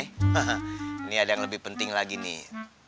ini ada yang lebih penting lagi nih